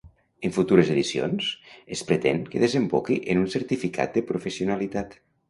En futures edicions, es pretén que desemboqui en un certificat de professionalitat.